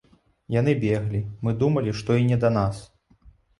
Яны беглі, мы думалі, што і не да нас.